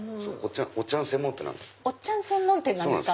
おっちゃん専門店なんです。